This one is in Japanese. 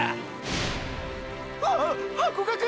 うわっハコガク！！